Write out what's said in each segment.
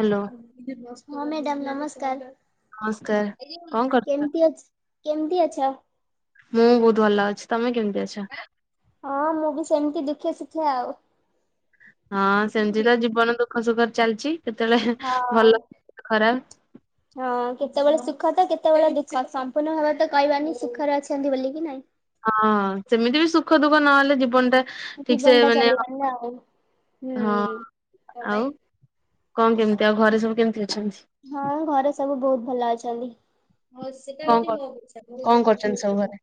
Hello ହଁ madam ନମସ୍କାର। ନମସ୍କାର କଣ କରୁଛ? କେମିତି ଅଛ କେମିତି ଅଛ? ମୁଁ ବହୁତ୍ ଭଲ ଅଛି ତମେ କେମିତି ଅଛ? ହଁ ମୁଁ ବି ସେମିତି ଦୁଃଖେ ଶିଖେ ଆଉ। ହଁ ସେମିତିତ ଜୀବନ ଦୁଃଖ ସୁଖରେ ଚାଲିଚି କେତେବେଳେ ହଁ। ଭଲ ଖରାପ୍। ହଁ କେତେବେଳେ ସୁଖତ କେତେବେଳେ ଦୁଃଖ ସମ୍ପୂର୍ଣ୍ଣ ଭାବେତ କହିବାନି ସୁଖରେ ଅଛନ୍ତି ବୋଲିକି ନାଇଁ। ହଁ ସେମିତିବି ସୁଖ ଦୁଃଖ ନହେଲେ ଜୀବନଟା ଠିକସେ ଜୀବନ ଟା ମାନେ ଚାଲିବନି ନା ଆଉ ହଁ ହୁଁ। ଆଉ? କଁ କେମିତି ଆଉ ଘରେ ସବୁ କେମିତି ଅଛନ୍ତି? ହଁ ଘରେ ସବୁ ବହୁତ୍ ଭଲ ଅଛନ୍ତି। ହଁ ସେଟା କଣ ହଉଚି କଣ କରୁଛନ୍ତି ସବୁ ମୋପିଛା ଘରେ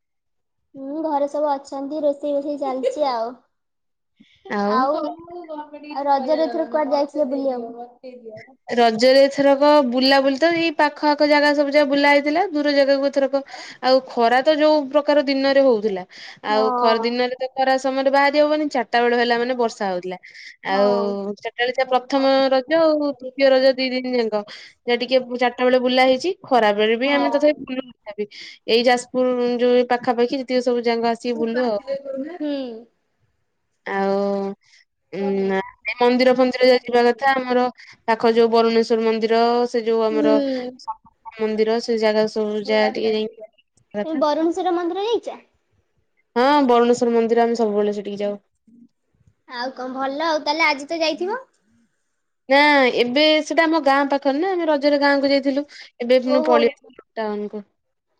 ହୁଁ ଘରେ ସବୁ ଅଛନ୍ତି ରୋଷେଇ ବୋଷେଇ ଚାଲିଚି ଆଉ। ଆଉ ଆଉ ରଜ ଏଥର କୁଆଡ଼େ ଯାଇଥିଲ ବୁଲିବାକୁ? ରଜରେଥରକ ବୁଲାବୁଲିତ ଏଇ ପାଖ ଆଖ ଜାଗା ସବୁ ଜାଗା ବୁଲା ହେଇଥିଲା ଦୂର ଜାଗାକୁ ଥରକ ଆଉ ଖରାତ ଯୋଉ ପ୍ରକାର ଦିନରେ ହଉଥିଲା। ହଁ ଆଉ ଖରା ଦିନରେତ ଖରା ସମୟରେ ବାହାରି ହବନି ଚାରିଟା ବେଳ ହେଲା ମାନେ ବର୍ଷା ହଉଥିଲା। ହଁ ଆଉ ସେଟେବେଳେ ଯ ପ୍ରଥମ ରଜ ଆଉ। ଦ୍ଵିତୀୟ ରଜ ଦି ଦିନ ଯାକ ଯାହା ଟିକେ ଚାରିଟା ବେଳେ ବୁଲା ହେଇଚି ଖରା ବେଳେବି ହଁ। ଆମେ ତଥାପି [unintelligible] ଏଇ ଯାଜପୁର ଯୋଉ ପାଖାପାଖି ଯେତିକି ସବୁ ଜାଗା ଚି ବୁଲୁ ଆଉ ହୁଁ। ଆଉ ଉଁ ନାଁ ଏ ମନ୍ଦିର ଫନ୍ଦିର ଯଦି ଯିବା କଥା ଆମର ପାଖ ଯୋଉ ବରୁଣେଶ୍ଵର ମନ୍ଦିର ସେ ଯୋଉ ହୁଁ ଆମର ମନ୍ଦିର ସେ ଜାଗା ସବୁ ଯା ଟିକେ ଯାଇ ତମେ କଥା। ବରୁଣେଶ୍ଵର ମନ୍ଦିର ଯାଇଛ? ହଁ ବରୁଣେଶ୍ୱର୍ ମନ୍ଦିର ଆମେ ସବୁବେଳେ ସେଠିକି ଯାଉ। ଆଉ କଣ ଭଲ ଆଉ ତାହେଲେ ଆଜି ତ ଯାଇଥିବ। ନା ଏବେ ସେଟା ଆମ ଗାଁ ପାଖରେ ନା ଆମେ ରଜରେ ଗାଁ କ ଯାଇଥିଲୁ। ଏବେ ପୁଣି ଓହୋ ପଳେଇ ଥିଲୁ ଟାଉନ୍ କୁ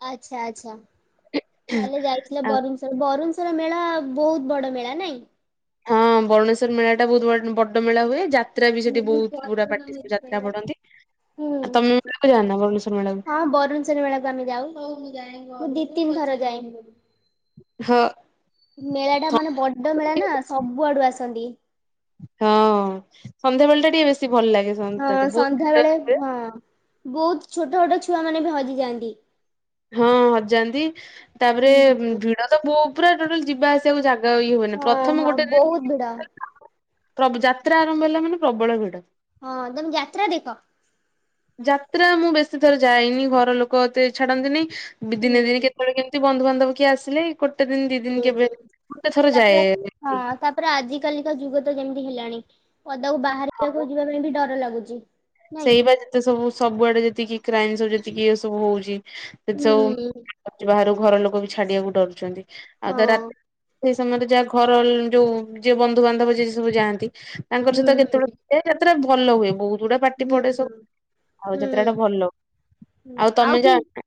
ଆଚ୍ଛା ଆଚ୍ଛା କହେଲେ ଯାଇଥିଲେ ଆଉ ବରୁଂ ବରୁଣେଶର ମେଳା ବହୁତ ବଡ ମେଳା ନାଇଁ? ହଁ ଭୁନେଶ୍୍ୱର ମେଳା ଟା ବହୁତ ବଡ ମେଳା ହୁଏ ଯାତ୍ରା ବି ସେଠି ବହୁତ ପୁରା ପାାର୍ଟି ଯାତ୍ରା ପଢନ୍ତି। ହୁଁ ଆ ତମେ ମ୍ୟା କାଣ ଭଲେଶ୍ୱର ମେଳା କୁ ହଁ ବରୁଣେଶ୍ଵର ମେଳାକୁ ଯାଉ ମୁଁ ଦି ତିନି ଥର ଯାଏ ହଁ। ମେଳା ଟା ମାନେ ବଡ ମେଳା ନା ସବୁଆଡୁ ଆସନ୍ତି ହଁ ସନ୍ଧ୍ୟାବେେଳେ ଟା ଟିକେ ବେଶୀ ଭଲ ଲାଗେ। ହଁ ସନ୍ଧ୍ୟାଟା ବହୁତ ସନ୍ଧ୍ୟା ଭିଡ଼ ବେଳେ ହୁଏ। ହଁ ବହୁତ ଛୋଟ ଛୋଟ ଛୁଆ ମାନେ ବି ହଜିଯାଆନ୍ତି ହଁ ହଜାନ୍ତି। ତାପରେ ହୁଁ ହୁଁ ଭିଡ ତ ବୋଉ ପୁରା ଟୋଟାଲ ଯିବା ଆସ ତେଣୁ ଜାଗା ଇଏ ହୁଏନି। ହଁ ପ୍ରଥମ ହଁ ଗୋଟେ ବହୁତ ଭିଡ ପ୍ର ଯାତ୍ରା ଆରମ୍ଭ ହେଲା ମାନେ ପ୍ରବଳ ଭିଡ। ହଁ ତମେ ଯାତ୍ରା ଦେଖ? ଯାତ୍ରା ମୁଁ ବେଶୀ ଥର ଯାଇନି, ଘର ଲୋକ ଏତେ ଛାଡନ୍ତିନି, ହୁଁ ଦିନେ ଦିନେ କେତେବେଳେ କେ ତି ବନ୍ଧୁବାନ୍ଧବ କିଏ ଆସିଲେ, ଗୋଟେ ଦିନ ଦି ଦିନ କେବେ, ହୁଁ। ଗୋଟେ ଥର ଯାଏ। ପରା ଆଜି କାଲିକା ଯୁଗ ତ ଯେମିତି ହେଲାଣି, ପଦାକୁ ହଁ ବାହାରିବାକୁ ବା ଯିବା ପାଇଁ ବି ଡର ଲାଗୁଛି। ନାଇଁ। ସେଇ ବା ଯେତେ ସବୁ ସବୁଆଡେ ଯେତିକି କ୍ରାଇମ ସବୁ ଯେତିକି ଏ ସବୁ ହଉଛି, ସେତ ସବୁ ହୁଁ। ବାହାରୁ ଘର ଲୋକ ବି ଛାଡିବାକୁ ଡରୁଛନ୍ତି। ଆଉ ତ ହଁ ରାତି ସେଇ ସମୟରେ ଯାହା ଘର ଯୋଉ ଯିଏ ବନ୍ଧୁ ବାନ୍ଧବ ଯିଏ ସବୁ ଯାଆନ୍ତି, ତାଙ୍କର ହୁଁ ସହିତ ହୁଁ କେତେବେଳେ- ଏ ଯାତ୍ରା ଭଲ ହୁଏ। ବହୁତ ଗୁଡା ପା ପାଟି ହୁଁ ପଡେ ସବୁ। ହୁଁ ଆଉ ଯାତ୍ରା ଟା ହୁଁ ଭଲ। ହୁଁ ଆଉ ତମେ କି ଯାଆନା?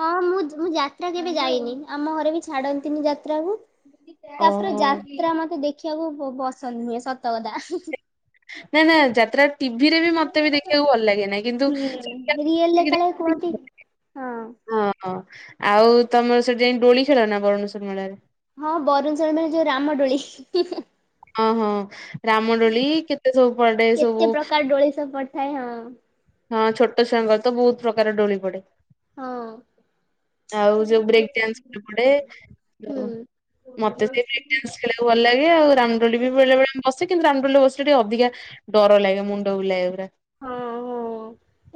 ହଁ ମୁଁ ମୁଁ ଯାତ୍ରା କେବେ ଯାଇନି। ଆମ ଘରେ ବି ଛାଡନ୍ତିନି ଯାତ୍ରାକୁ। ତାପରେ ଓହୋ। ଯାତ୍ରା ମତେ ଦେଖିବାକୁ ପସନ୍ଦ ନୁହେଁ, ସତକଥା। ନାଁ ନାଁ ଯାତ୍ରା ଟିଭି ରେ ବି ମତେ ବି ଦେଖିବାକୁ ଭଲ ଲାଗେନହିଁ କିନ୍ତୁ [inaudible] ହୁଁ ରିଏଲରେ କାଳେ କୁହନ୍ତି ହଁ ଓ ହ, ଆଉ ତମର ସେଠି ଯାଇ ଦୋଳି ଖେଳ ନା ବରୁଣେଶ୍ୱର ମେଳାରେ? ହଁ ବରୁଣେଶ୍ଵର ମେଳାରେ ଯୋଉ ରାମଦୋଳି। ଓହୋ ରାମଦୋଳି, କେତେ ସବୁ ପଡେ କେତେ ସବୁ ପ୍ରକାର ଦୋଳି ସବ୍ ଥାଇ ହଁ। ହଁ ଛୋଟ ଛୁଆଙ୍କର ତ ବହୁତ ପ୍ରକାର ଡୋଳି ପଡେ। ହଁ। ଆଉ ଯୋଉ ବ୍ରେକ୍ ଡିଆନ୍ସ ପଡେ। ହୁଁ। ମତେ ସେ ବ୍ରେକ୍ ଡିଆନ୍ସ ଖେଳିବାକୁ ଭଲ ଲାଗେ। ଆଉ ରାମଡୋଲି ବି ହୁଁ। ବେଳେବେଳେ ଆମେ ବସିଥିବୁ ରାମଡୋଲି ବସିଲେ ଟିକେ ଅଧିକା ଡର ଲାଗେ ମୁଣ୍ଡ ବୁଲାଇ ପୁରା। ହଁ ହଁ,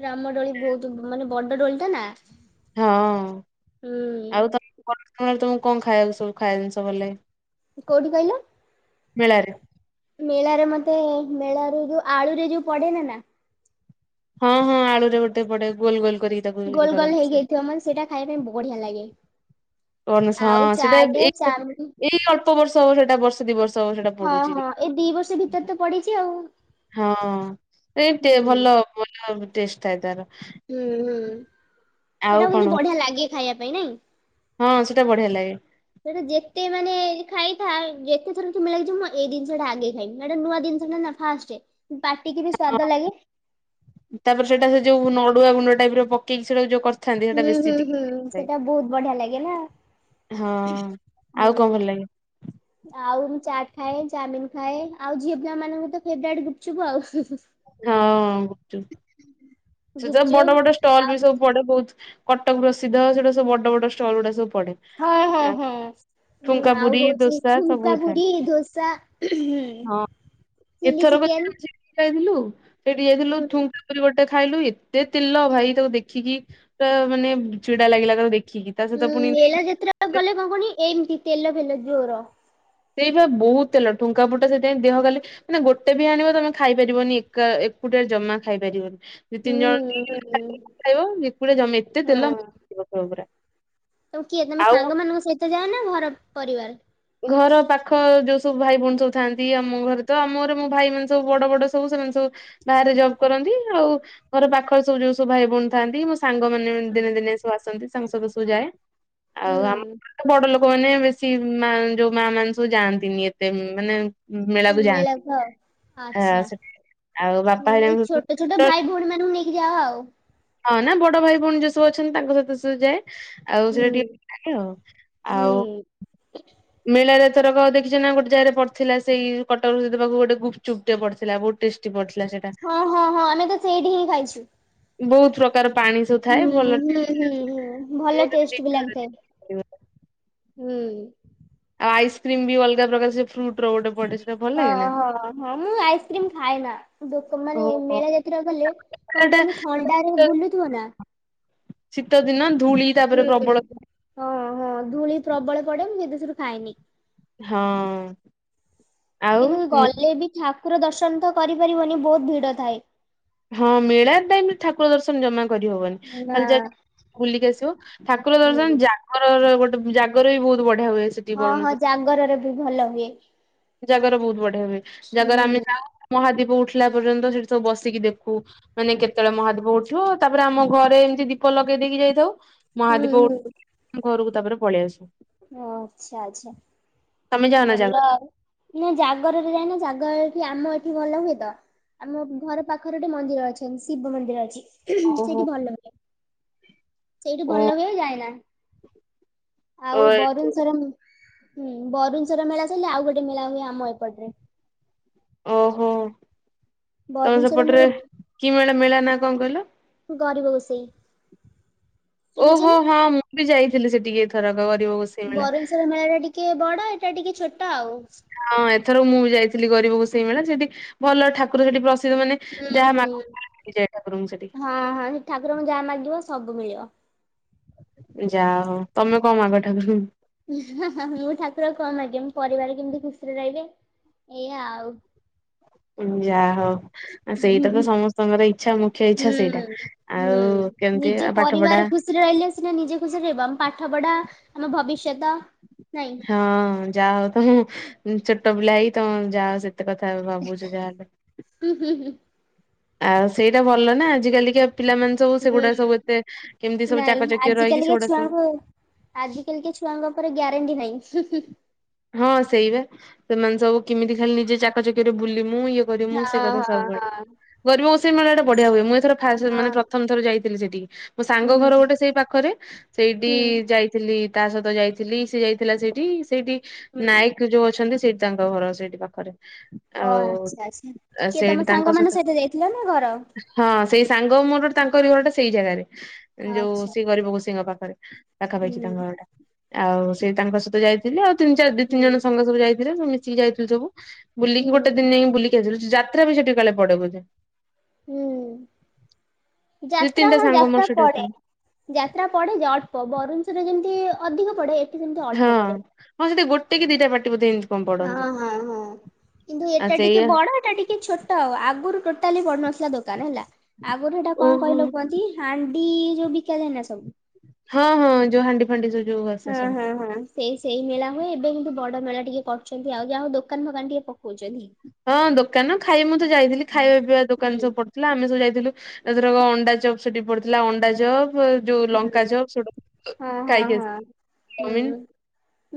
ରାମଡୋଳି ବହୁତ ମାନେ ବଡ ଡୋଳି ଟା ନା। ହଁ ହୁଁ ଆଉ ତମ ସମ ତମକୁ କଣ ଖାଇବାକୁ ସବୁ ଖାଇବା ଜିନିଷ ଭଲ ଲାଗେ। କୋଉଠି କହିଲ? ମେଳାରେ ମେଳାରେ ମତେ ମେଳାରୁ ଯୋଉ ଆଳୁରେ ଯୋଉ ପଡେ ନେ ନା? ହଁ ହଁ ଆଳୁ ରେ ଗୋଟେ ପଡେ ଗୋଲ ଗୋଲ କରିକି। ତାକୁ ଇଏ ଗୋଲ ଗୋଲ କରନ୍ତି ସେ ହେଇଯାଇଥିବ ମାନେ ସେଇଟା ଖାଇବା ପାଇଁ ବଢିଆ ଲାଗେ। କଁ ସ୍ ଆଉ ହଁ, ସେଇଟା ଚାଟେ ଏଇ ଚାଉମିନ ଏଇ ଅଳ୍ପ ବର୍ଷ ହବ ସେଇଟା ବର୍ଷ ଦି ବର୍ଷ। ହବ ସେଇଟା ହଁ ପଡୁଛି ହଁ ଟିକେ। ଏ ଦି ବର୍ଷ ଭିତରେ ତ ବଡିଛି ଆଉ। ହଁ, ଏ ହୁଁ ଟେ ଭଲ ଭଲ ଟେଷ୍ଟ ଥାଏ ତାର। ହୁଁ ହୁଁ, ଆଉ ସେଟା କିନ୍ତୁ କଣ ଭଲ ବଢିଆ ଲାଗେ ଖାଇବା ପାଇଁ ନାଇଁ? ହଁ ସେଇଟା ବଢିଆ ଲାଗେ। ସେଇଟା ଯେତେ ମାନେ ଖାଇଥା, ଯେତେ ଥର କି ମେଳାକୁ ଯିବୁ, ମୁଁ ଏଇ ଜିନିଷ ଟା ଆଗେ ଖାଇମି, ଏଟା ନୂଆ ଜିନିଷଟା ନା। ଫାଷ୍ଟେ, ପାଟିକି ବି ହଁ ସ୍ଵାଦ ଲାଗେ। ତାପରେ ସେଟା ସେ ଯୋଉ ନଡୁଆ ଗୁଣ୍ଡ ଟାଇପ ର ପକେଇକି ସେଟା ଯଉ କ ହୁଁ ହୁଁ ହୁଁ, ସେଇଟା ବହୁତ ବଢିଆ ଲାଗିଲା ନା। ହଁ ଆଉ କଣ ଭଲ ହୁଁ ଲାଗେ? ଆଉ ମୁଁ ଚାଟ୍ ଖାଏ, ଚାଉମିନ ଖାଏ, ଆଉ ଝିଅ ପିଲିମାନଙ୍କୁ ତ ଫେବରାଇଟ୍ ଗୁପୁଚୁପୁ ଆଉ। ହଁସେଟ ସେ ତ ଗୁପଚୁପ୍ ବଡ ବଡ ଷ୍ଟଲ ଆଉ ବି ସବୁ ପଡେ ବହୁତ। କଟକ ପ୍ରସିଦ୍ଧ ସେଇଟା ସବୁ ବଡ ବଡ ଷ୍ଟଲ ଗୁଡା ସବୁ ପଡେ। ହଁ ହଁ ଆଉ ହଁ। ହୁଁ ଠୁଙ୍କା ଆଉ ପୁରୀ ହଉଛି ଦୋସା ଠୁଙ୍କା ସବୁ ଥାଏ ପୁରି ଦୋସା। ହୁଁ। ଏଥର କଉ [inaudible] ଯାଇଥିଲୁ, ସେଠି ଯାଇଥିଲୁ, ହୁଁ ଠୁ ପୁରୀ ଗୋଟେ ଖାଇଲୁ ଏତେ ତେଲ, ଭାଇ ତାକୁ ଦେଖିକି ପୁରା ମାନେ ଚିଡା ଲାଗିଲା ତାକୁ ଦେଖ ହୁଁ ମେଳା ଯେତେଟା ଗଲେ କଣ କୁଅନି, ଏମିତି ତେଲ ଫେଲ ଜୋର। ସେଇଵା ବହୁତ ତେଲ ଠୁଙ୍କାପୁଟା ସେଇଥିପାଇଁ ଦେହ ଖାଲି ମାନେ ଗୋଟେ ବି ଆଣିବ ତମେ ଖାଇପାରିବନି ଏକା ଏକୁଟିଆ ଜମା ଖାଇପାରିବନି। ଦି ହୁଁ ତିନି ଜଣ କି ହୁଁ ଜମ ଏତେ ତେଲ ପ୍ରବଳ ପୁରା ତୁ କିଏ ତମେ ଆଉ ସାଙ୍ଗମାନଙ୍କ ସହିତ ଯାଏ ନା ଘର ପରିବାର? ଘର ପାଖ ଯୋଉ ସବୁ ଭାଇ ଭଉଣୀ ସବୁ ଥାନ୍ତି ଆମ ଘରେ ତ ଆମର ମୋ ଭାଇ ମାନ ସବୁ ବଡ ବଡ ସବୁ ସେମାନେ ସବୁ ବାହାରେ ଜବ୍ କରନ୍ତି ଆଉ ଘର ପାଖରେ ସବୁ ଯୋଉ ସବୁ ଭାଇ ଭଉଣୀ ଥାନ୍ତି ମ ସାଙ୍ଗମାନେ ଦିନେ ଦିନେ ସବୁ ଆସନ୍ତି ତାଙ୍କସହିତ ସବୁ ଯାଏ ଆଉ ହୁଁ ଆମ ବଡ ଲୋକ ମାନେ ବେଶୀ ଯୋଉ ମା ମାନ ସବୁ ଯାଆନ୍ତିନି ଏତେ ମାନେ ମେଳାକୁ ଯାଆନ୍ତି ଆ ଆଉ ବାପା ହୁଁ ଏଇ ହେରିକାଙ୍କ ଛୋଟ ଛୋଟ ଭାଇ ସହିତ ଭଉଣୀ ମାନଙ୍କୁ ନେଇକି ଯାଅ ଆଉ? ହଁ ନା ବଡ ଭାଇ ଭଉଣୀ ଯୋଉ ସବୁ ଅଛନ୍ତି ତାଙ୍କ ସହିତ ସବୁ ଯାଏ। ଆଉ ସେଟା ହୁଁ। ଟିକେ [unintelligible] ଆଉ ହୁଁ। ମେଳରେ ଏଥରକ ଦେଖିଛ ନା ଗୋଟେ ଜାଗାରେ ପଡିଥିଲା ସେଇ କଟକରୁ ଦେବାକୁ ଗୋଟେ ଗୁପଚୁପ ପଡିଥିଲା ବହୁତ ଟେଷ୍ଟି ପଡିଥିଲା ସେ ହଁ ହଁ ହଁ ଆମେ ତ ସେଇଠି ହିଁ ଖାଇଛୁ। ବହୁତ ପ୍ରକାର ପାଣି ସବୁ ଥାଏ ହଁ ଭଲ ଟେଷ୍ଟି ହଁ ହୁଁ ଲାଗୁଥିଲା। ହୁଁ ମୁଁ ଭଲ ଯଦି ଦି ଟେଷ୍ଟ ବି ଥର ଲାଗିଥାଏ। ଯାଇଥିଲି। ହୁଁ। ଆଉ ଆଇସ୍କ୍ରିମ୍ ବି ଅଲଗା ପ୍ରକାର ସେ ଫ୍ରୁଟ ର ଗୋଟେ ପଡେ ସେଟା ଭଲ ହଁ ଲାଗେ ନା। ହଁ ହଁ ମୁଁ ଆଇସ୍କ୍ରିମ ଖାଏ ନାଁ ମାନେ ଓହୋ। ମେଳା ଯାତ୍ରା ଗଲେ କଣ ଏଟା କହନି ଥଣ୍ଡାରେ ବୁଲୁଥିବ ନା ଶୀତ ଦିନ ଧୂଳି ତାପରେ ହୁଁ ପ୍ରବଳ ହଁ ହଁ ଧୂଳି ପ୍ରବଳ ପଡେ ମୁଁ ଦେଶରୁ ଖାଏନି। ହଁ। ଆଉ କିନ୍ତୁ ଗଲେ ବି ଠାକୁର ଦର୍ଶନ ତ କରିପାରିବନି ବୋହୁତ୍ ଭିଡ ଥାଏ। ହଁ ମେଳ ଟାଇମ୍ ଠାକୁର ଦର୍ଶନ ଜମା କରିହବନି ନା ଖାଲି ଯା ବୁଲିକି ଆସିବ ଠାକୁର ହୁଁ ଦର୍ଶନ ର ର ଗୋଟେ ଜାଗର ବି ବୋହୁତ୍ ବଢିଆ ହୁଏ ସେ ହଁ ହଁ ଜାଗରରେ ବି ଭଲ ହୁଏ। ଜାଗର ବୋହୁତ୍ ବଢିଆ ହୁଏ। ଜାଗର ଆମେ ହୁଁ ଯାଉ ମହାଦୀପ ଉଠିଲା ପର୍ଯ୍ୟନ୍ତ ସେଠି ସବୁ ବସିକି ଦେଖୁ। ମାନେ କେତେବେଳେ ମହାଦୀପ ଉଠିବ ତାପରେ ଆମ ଘରେ ଏମିତି ଦୀପ ଲଗେଇ ଦେଇକି ଯାଇଥାଉ। ହୁଁ ମହାଦୀପ ଘରକୁ ତାପରେ ପଳେଇ ଆସୁ। ଓ ଆଚ୍ଛା ଆଚ୍ଛା ତମେ ଯାଅ ନା ଜାଗର? ଭଲ ଆଉ। ନା ଜାଗରରେ ଯା ନା ଜାଗର ଏଠି ଆମ ଏଠି ଭଲ ହୁଏ ତ। ଆମ ଘର ପାଖରେ ଗୋଟେ ମନ୍ଦିର ଅଛନ୍ତି ଶିବ ମନ୍ଦିର ଅଛି। ଓହୋ। ସେଇଠୁ ଓ ଭଲ ହୁଏ ଯାଏନା। ଓ ଆଉ ବରୁଣୁ ସର ହୁଁ ବାରୁସୁଶର ମେଳା ଚାଲେ ଆଉ ଗୋଟେ ମେଳା ହୁଏ ଆମ ଏପଟରେ। ଓହୋ ତମେ ବରୁଣେଶ୍ଵର ସେପଟରେ ମେଳା କି ମେଳା ମେଳା ନା କଣ କହିଲ? ଗରିବ ଗୋସେଇଁ। ଓହୋ ହଁ ମୁଁ ବି ଯାଇଥିଲି ଏଥରକ ଗରିବ ଗୋଷେଇ ମେଳା ବରୁେଶର ମେଳା ଟା ଟିକେ ବଡ ଏଟା ଟିକେ ଛୋଟ ଆଉ। ହଁ ଏଥର ମୁଁ ବି ଯାଇଥିଲି ଗରିବକୁ ସେଇ ମଳିଳା ସେଠି ଭଲ ଠାକୁର ସେଠି ପ୍ରସିଦ୍ଧ ମାନେ ହୁଁ ଯାହା ମାଗ ହୁଁ ଠାକୁରଙ୍କୁ ସେଠି ହଁ ହଁ ସେ ଠାକୁରଙ୍କୁ ଯାହା ମାଗିବ ସବୁ ମିଳିବ। ଯାହା ହଉ, ତମେ କଣ ମାଗ ଠାକୁରଙ୍କୁ? ମୁଁ ଠାକୁର କଣ ମାଗିବି ପରିବାର କେମିତି ଖୁସିରେ ରହିବେ। ଏଇଆ ଆଉ। ଯା ହଉ ସେଇଟା ତ ଆଉ। ସମସ୍ତଙ୍କର ଇଚ୍ଛା ମ ଗୋଟେ ଇଚ୍ଛା ସେଇଟା ହୁଁ ହୁଁ ଆଉ କେମିତି ନିଜ ପାଠ ପଢା ପରିବାର ଖୁସିରେ ରହିଲେ ସିନା ନିଜେ ଖୁସିରେ ରହିବ, ଆମ ପାଠ ପଢା ଆମ ଭବିଷ୍ୟତ ନାଇଁ ହଁ ଯା ହ ତମ ଛୋଟ ପିଲା ହେଇ ତମ ଯା ସେତେ କଥା ଭାବୁଛ ଯା ହୁଁ-ହୁଁ-ହୁଁ। ଆଉ ସେଇଟା ଭଲ ନା ଆଜିିକାଲିକା ପିଲାମାନେ ସବୁ ସେଗୁଡା ହୁଁ। ସବୁ ଏତେ କେମିତି ସବୁ ଚାକଚକି ରହିକି ସେଗୁଡା ସବୁ ଆଜି କାଲିକା ଛୁଆଙ୍କ ଉପରେ ଗ୍ୟାରେଣ୍ଟି ନାହିଁ ହୁଁ-ହୁଁ। ହଁ ସେଇ ବା ସେମାନେ ସବୁ କେମିତି ଖାଲି ନିଜେ ଚାକଚକିଆ ରେ ବୁଲି ମୁଁ କରିମୁଁ ସେ ହଁ କଥା ହଁ ସବୁଆଡେ। ହଁ। ଗରିବ ଔଷମେଳାଟା ବଢିଆ ହୁଏ ମୁଁ ଏଇଥର ମାନେ ହଁ ପ୍ରଥମ ଥର ଯାଇଥିଲ ସେଠି। ମୋ ସାଙ୍ଗ ଘର ହୁଁ ଗୋଟେ ସେଇ ପାଖରେ। ସେଇଠି ହୁଁ ଯାଇ ଥିଲି ତା ସହିତ ଯାଇଥିଲି ସିଏ ଯାଇଥିଲା ସେଇଠି-ସେଇଠି ହୁଁ ନାୟକ ଯୋଉ ଅଛନ୍ତି ସେଇଠି। ତାଙ୍କ ଘର ସେଇଠି ପାଖରେ। ଓ ଆଉ ଆଚ୍ଛା-ଆଚ୍ଛା କିଏ ସେଇଠି ତମ ତାଙ୍କ ସାଙ୍ଗ ମାନଙ୍କ ସହିତ ଯାଇଥିଲ ନା ଘର ହଁ ସେଇ ସାଙ୍ଗ ମୋର, ତାଙ୍କରି ଘରଟା ସେଇ ଜାଗାରେ। ଯୋଉ ଆଚ୍ଛା ସେ ଗରିବ ଗୋସେଇଁଙ୍କ ପାଖରେ ପାଖା ପାଖି ହୁଁ ତାଙ୍କ ଘରଟା। ଆଉ ସେ ତାଙ୍କ ସହିତ ଯାଇଥିଲେ, ଆଉ ତିନି ଚାର ଦି ତିନି ହୁଁ ଜଣ ସାଙ୍ଗ ସବୁ ଯାଇଥିଲେ ସେ ମିଶିକି ଯାଇଥିଲୁ ସବୁ। ହୁଁ ବୁଲିକି ଗୋଟେ ଦିନ ଯାଇକଁ ବୁଲିକି ଆସିଲୁ, ସେ ଯାତ୍ରା ବି ସେଠି କାଳେ ପଡେ ବୋଧେ? ହୁଁ ଦି ଯାତ୍ରା ତିନିଟା ହଁ ସାଙ୍ଗ ମୋର ଯାତ୍ରା ସେଠି ଅଛନ୍ତି। ପଡେ। ଯାତ୍ରା ପଡେ ଯେ ଅଳ୍ପ, ବାରୁନେଶ୍ୱର୍ ଯେମିତି ଅଧିକ ପଡେ। ସେମିତି ହଁ, ଅଳ୍ପ ପଡେ। ହଁ ସେଠି ଗୋଟେ କି ଦିଟା ପାଟି ବୋଧେ। କଣ ପଡନ୍ତି ହଁ-ହଁ-ହଁ କିନ୍ତୁ ଆଉ ଏଟା ଟିକେ ସେଇଆ ବଡ ଏଟା ଟିକେ ଛୋ ଟ। ଆଗରୁ ଟୋଟାଲି ପଡୁନଥିଲା ଦୋକାନ ହେଲା। ଆଗରୁ ହେଟା କଣ ଓହୋ କହିଲ କୁହନ୍ତି? ହାଣ୍ଡି ଯୋଉ ବିକା ଜାଏନା ସବୁ। ହଁ-ହଁ ଯୋଉ ହାଣ୍ଡି ଫାଣ୍ଡି ଯୋଉ ଆ। ହେଁ ହେଁ ହେଁ। ସେଇ ସେଇ ମେଳା ହୁଏ। ଏବେ କିନ୍ତୁ ବଡ ମେଳା ଟିକେ କରୁଚନ୍ତି, ଆଉ ଯାହାହୋଉ ଦୋକାନ ଫୋକାନ ଟିକେ ପକୋଉଚନ୍ତି। ହଁ ଦୋକାନ ଖାଇ ମୁଁ ତ ଯାଇଥିଲି ଖାଇବା ପିଇବା ଦୋକାନ ହୁଁ ସବୁ ପଡ ଡିଥିଲା ଆମେ ସବୁ ଯାଇଥିଲୁ। ଏଥରକ ଅଣ୍ଡା ଚପ୍ ସେଠି ପଡିଥିଲା ଅଣ୍ଡା ଚପ୍। ଯୋଉ ହୁଁ ଲଙ୍କା ଚପ୍ ସେଉଡ଼ା ହଁ ହଁ ଖାଇକି ହଁ। ଆସଲି। ଚାଓମିନ୍ ହୁଁ।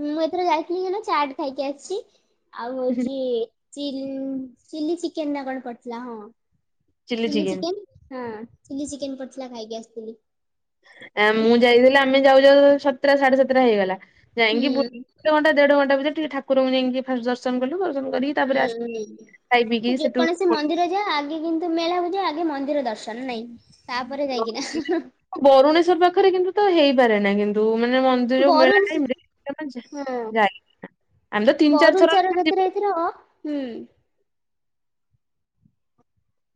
ମୁଁ ଏଥର ଯାଇଥିଲି ସେଦିନ ଚାଟ୍ ଖାଇକି ଆସଚି। ଆଉ ହୋଉଚି ଚିଲ ଚିଲି ଚିକେନ୍ ନା କଣ ପଡଥିଲା ହଁ। ଚିଲି ଚିକେନ୍ ହଁ ଚିଲି ଚିକେନ୍ ପଡଥିଲା। ଖାଇକି ଆସଥିଲି। ଆ ମୁଁ ଯାଇଥିଲି ଆମେ ଯାଉ-ଯାଉ ସତରା ସାଢେ ସାତଟା ହେଇଗଲା। ହୁଁ ଯାଇଙ୍କି ବୁଲ ତନ ଦେଢ ଘଣ୍ଟା ଭିତରେ ଠାକୁରଙ୍କୁ ଯାଇଙ୍କି ଫାଷ୍ଟ ଦର୍ଶନ କଲୁ। ଦର୍ଶ କରିକି ହୁଁ ତାପରେ ଆସ ଖାଇ ପିଇକିି ସେଟୁ ଜା ଆଗେ କିନ୍ତୁ ମେଳାକୁ ଜାଏ, ଆଗେ ମନ୍ଦିର ଦର୍ଶନ ନାଇଁ। ତାପରେ ଯାଇଙ୍କିନା। ବରୁଣେଶ୍ଵର ପାଖରେ କିନ୍ତୁ ତ ହେଇପାରେନା। କିନ୍ତୁ ମାନେ ମନ ତୁ ଯୋଉ ବରୁଣ ମେଳାଟାଇମ ରେ ନାହିଁ ହଁ ଯ ଆମେ ତ ତିନି ଚାରି ଥର ଥିରେ ଯିବୁ ଥିର ହୁଁ।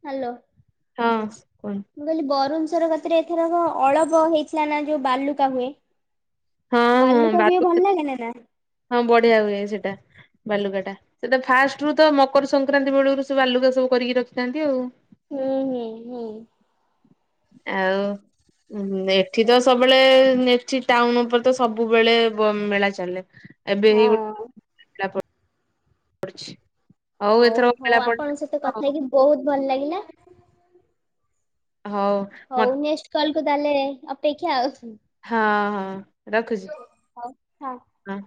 ହାଲୋ। ହଁ ଭଲ। ମୁଁ କଇଲି ବରୁଣେଶ୍ୱର କତିରେ ଏଥରକ ଅଳପ ହେଇଥିଲା ନା ଯୋଉ ବାଲୁକା ହୁଏ? ହଁ ହଁ ବାଲୁକା ହୁଏ ଭଲ ଲାଗେ ନେନା? ହଁ ବଢିଆ ହୁଏ ସେଟା। ବାଲୁକା ଟା। ସେଇଟା ଫାଷ୍ଟରୁ ତ ମକର ସଂକ୍ରାନ୍ତି ବେଳରୁ ସେ ବାଲୁକା ସବୁ କରିକି ରଖିଥାନ୍ତି ଆଉ। ହୁଁ-ହୁଁ-ହୁଁ। ଆଉ ଉଁ ଏଠି ତ ସବୁବେଳେ ଏଠି ଟାଉନ୍ ଉପରେ ତ ସବୁବେଳେ ମେଳା ଚାଲେ। ଏବେ ଏଇ ଗୋଟେ ହଁ। ନା କଣ ପଡିଚି। ହୋଉ ହୋଉ ଆପଣଙ୍କ ସହିତ କଥା ହେଇକି ବହୁତ ଭଲ ଲାଗିଲା। ହଉ ହଉ ମତ ନେକ୍ସଟ କଲ କୁ ତାଲେ ଅପେକ୍ଷା ଆଉ। ହଁ ହଁ ରଖୁଚି ହଁ।